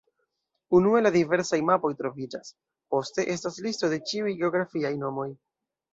Unue la diversaj mapoj troviĝas, poste estas listo de ĉiuj geografiaj nomoj.